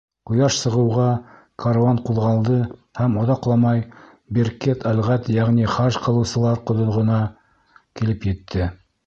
Ҡояш сығыуға каруан ҡуҙғалды һәм оҙаҡламай Биркет-әлғад, йәғни хаж ҡылыусылар ҡоҙоғона килеп етте.